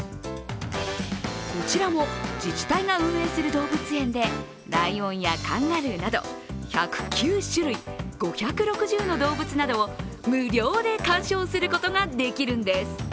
こちらも自治体が運営する動物園でライオンやカンガルーなど１０９種類、５６０の動物などを無料で鑑賞することができるんです。